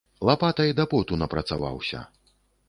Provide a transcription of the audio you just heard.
Лапатай да поту напрацаваўся.